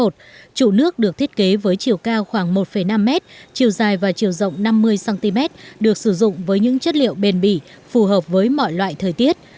trụ nước được thiết kế với chiều cao khoảng một năm m chiều dài và chiều rộng năm mươi cm được sử dụng với những chất liệu bền bỉ phù hợp với mọi loại thời tiết